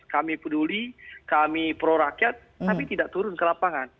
kami peduli kami prorakyat tapi tidak turun ke lapangan